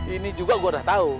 ini juga gue udah tau